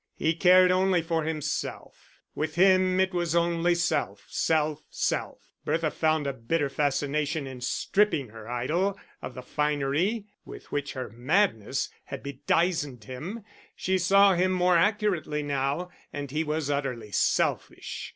He cared only for himself: with him it was only self, self, self. Bertha found a bitter fascination in stripping her idol of the finery with which her madness had bedizened him; she saw him more accurately now, and he was utterly selfish.